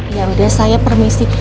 ya udah saya permisi